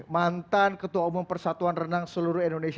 mantan ketua umum persatuan renang seluruh indonesia